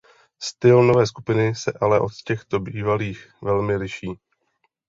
Styl nové skupiny se ale od těchto bývalých velmi lišil.